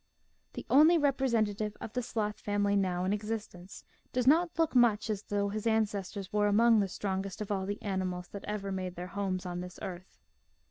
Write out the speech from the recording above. The only representative of the sloth family now in existence does not look much as though his ancestors were among the strongest of all the ani mals that ever made their homes on this earth.